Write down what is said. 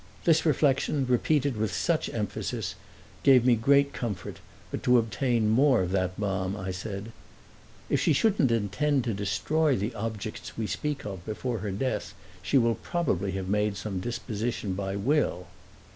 This reflection, repeated with such emphasis, gave me great comfort; but to obtain more of that balm I said, "If she shouldn't intend to destroy the objects we speak of before her death she will probably have made some disposition by will."